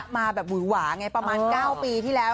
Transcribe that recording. มาแบบหวือหวาไงประมาณ๙ปีที่แล้ว